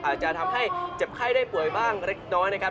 อาจจะทำให้เจ็บไข้ได้ป่วยบ้างเล็กน้อยนะครับ